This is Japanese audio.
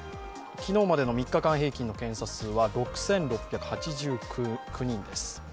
昨日までの３日間平均の検査数は６６８９人です。